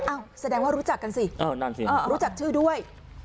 อ้าวแสดงว่ารู้จักกันสิอ้อนั่นสิอ่ารู้จักชื่อด้วย